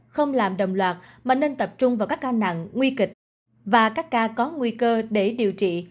không làm đồng loạt mà nên tập trung vào các ca nặng nguy kịch và các ca có nguy cơ để điều trị